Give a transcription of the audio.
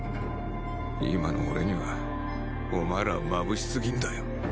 今の俺にはお前らはまぶしすぎんだよ